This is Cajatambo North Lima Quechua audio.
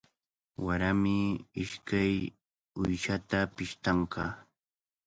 Warami ishkay uyshata pishtanqa.